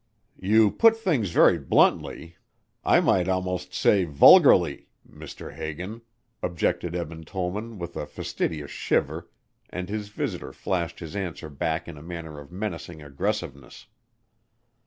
'" "You put things very bluntly I might almost say, vulgarly, Mr. Hagan," objected Eben Tollman with a fastidious shiver and his visitor flashed his answer back in a manner of menacing aggressiveness.